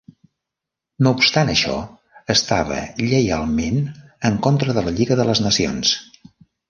No obstant això, estava lleialment en contra de la Lliga de les Nacions.